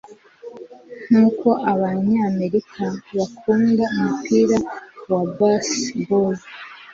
nkuko abanyamerika bakunda umupira wa baseball